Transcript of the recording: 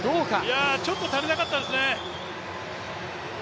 いや、ちょっと足りなかったですね。